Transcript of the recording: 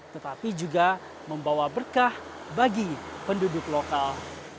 tetapi juga membawa berkah bagi penduduk lokal